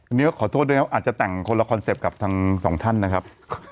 อันนี้ก็ขอโทษด้วยครับอาจจะแต่งคนละคอนเซ็ปต์กับทั้งสองท่านนะครับ